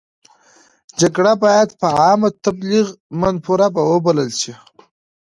جګړه باید په عامه تبلیغ منفوره وبلل شي.